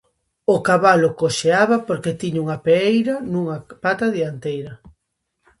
O cabalo coxeaba porque tiña unha peeira nunha pata dianteira.